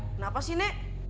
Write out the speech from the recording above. kenapa sih nek